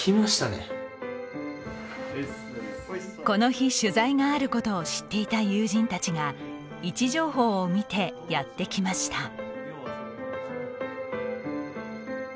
この日、取材があることを知っていた友人たちが位置情報を見てやってきました。